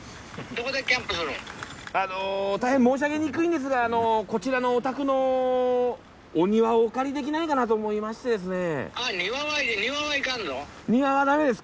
大変申し上げにくいんですがお宅のお庭をお借りできないかなと思いましてですね。